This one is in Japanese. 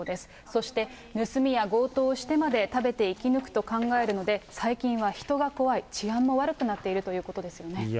そして盗みや強盗をしてまで食べて生き抜くと考えるので、最近は人が怖い、治安も悪くなっているということですよね。